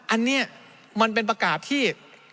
อันนี้มันเป็นประกาศที่